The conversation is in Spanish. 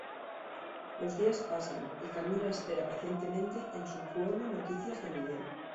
Los días pasan y Camila espera pacientemente en su pueblo noticias de Miguel.